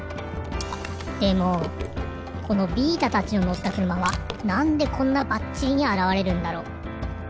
でもこのビータたちののったくるまはなんでこんなバッチリにあらわれるんだろう？